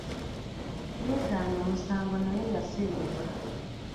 Yeegaana omusango naye yasibibwa.